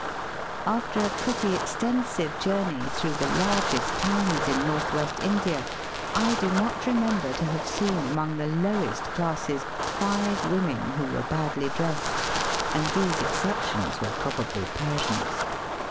After a pretty extensive journey through the largest towns in North West India, I do not remember to have seen among the lowest classes five women who were badly dressed, and these exceptions were probably Persians.